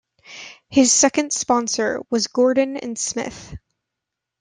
His second sponsor was "Gordon and Smith".